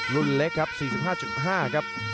รุ่นเล็กครับ๔๕๕กับ